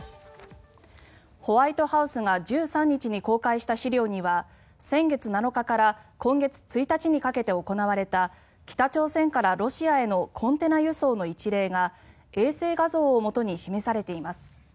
ホワイトハウスが１３日に公開した資料には先月７日から今月１日にかけて行われた北朝鮮からロシアへのコンテナ輸送の一例が衛星画像をもとに示されています。